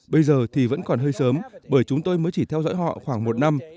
bây giờ thì vẫn còn hơi sớm bởi chúng tôi mới chỉ theo dõi họ khoảng một năm